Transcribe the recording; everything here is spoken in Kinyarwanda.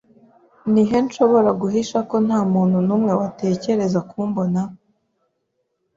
Ni he nshobora guhisha ko ntamuntu numwe watekereza kumbona?